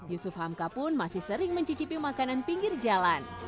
yusuf hamka pun masih sering mencicipi makanan pinggir jalan